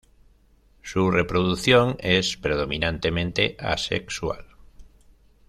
Su reproducción es predominantemente asexual.